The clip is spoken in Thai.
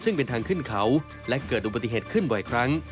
ซึ่งเป็นทางขึ้นเขาและเกิดอุบัติเหตุขึ้นบ่อยครั้ง